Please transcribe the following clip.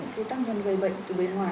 cái tác nhân gây bệnh từ bên ngoài